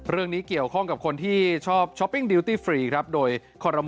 เรื่องนี้เกี่ยวข้องกับคนที่ชอบช้อปปิ้งดีวตี้ฟรีครับโดยกรมอมีมาติเห็นชอบหลักการ